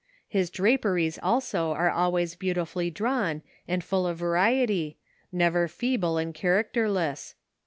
His draperies also are always beautifully drawn and full of variety, never feeble and characterless.